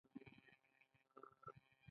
د دې اصولو له ډلې يو مهم اصل لېوالتیا ده.